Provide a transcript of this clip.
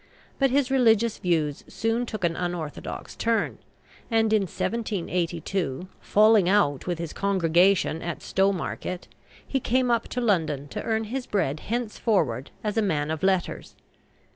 But his religious views soon took an unorthodox turn, and in 1782, falling out with his congregation at Stowmarket, he came up to London to earn his bread henceforward as a man of letters.